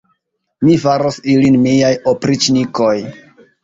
Mi faros ilin miaj opriĉnikoj!